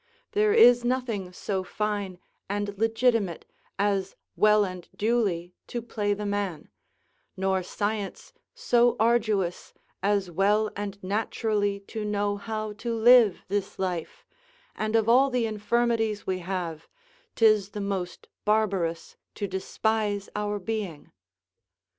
There is nothing so fine and legitimate as well and duly to play the man; nor science so arduous as well and naturally to know how to live this life; and of all the infirmities we have, 'tis the most barbarous to despise our being.